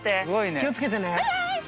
気を付けてね。